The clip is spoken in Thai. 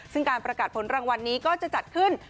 ซึ่งการประกาศผลรางวัลนี้ก็จะจัดขึ้น